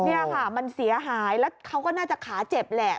นี่ค่ะมันเสียหายแล้วเขาก็น่าจะขาเจ็บแหละ